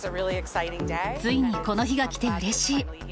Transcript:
ついにこの日が来てうれしい。